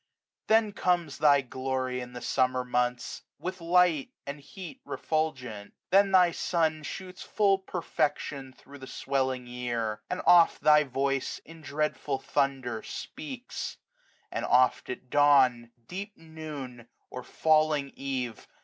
Then comes thy glory in the Summer months, With light and heat refulgent. Then thy sun Shoots full perfection thro* the svirelling year: 10 And oft thy voice in dreadful thunder speaks ; And oft at dawn, deep noon, or falling eve.